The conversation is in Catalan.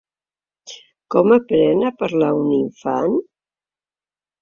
Com aprèn a parlar un infant?